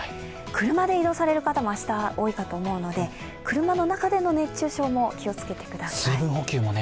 車で移動される方も明日、多いかと思うので、車の中での熱中症も気をつけてください。